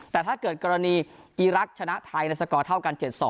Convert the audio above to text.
แต่ถ้าเกิดกรณีอีรักษ์ชนะไทยในสกอร์เท่ากัน๗๒